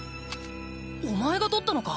お前が捕ったのか？